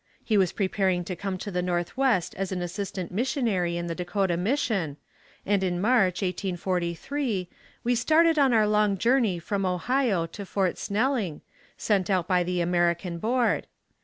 He was preparing to come to the Northwest as an assistant missionary in the Dakota mission, and in March 1843, we started on our long journey from Ohio to Fort Snelling, sent out by the American Board.